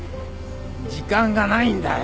時間がないんだよ！